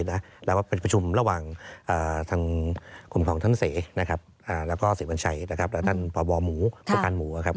ถึงทางรับภัยตอนเย็น